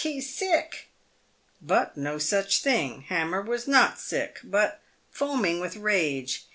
he's sick !" But no such thing, Hammer was not sick, but foaming with rage.